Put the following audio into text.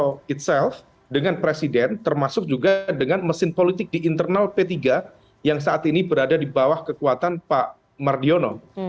atau eat self dengan presiden termasuk juga dengan mesin politik di internal p tiga yang saat ini berada di bawah kekuatan pak mardiono